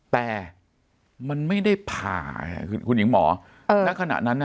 แต่มันไม่ได้ผ่าคุณหญิงหมอณขณะนั้น